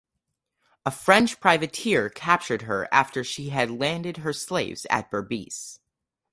A French privateer captured her after she had landed her slaves at Berbice.